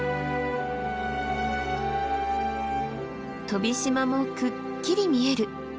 飛島もくっきり見える。